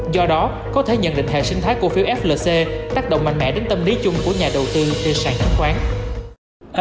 do đó có thể nhận định hệ sinh thái cổ phiếu flc tác động mạnh mẽ đến tâm lý chung của nhà đầu tư trên sàn chứng khoán